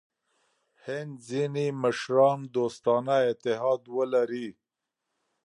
هند ځیني مشران دوستانه اتحاد ولري.